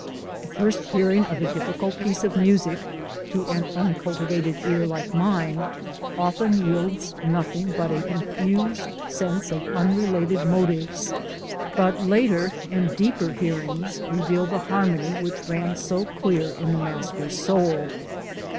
The first hearing of a difficult piece of music (to an uncultivated ear like mine) often yields nothing but a confused sense of unrelated motives, but later and deeper hearings reveal the harmony which ran so clear in the master's soul.